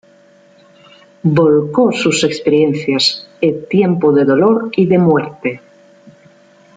Volcó sus experiencias en "Tiempo de dolor y de muerte".